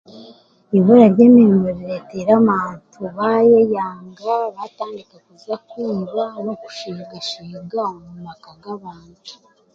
Ibura ryemiriimu riretiire abantu baayeyanga batandika kuza kwiba n'okusheegasheega omu maka g'abantu.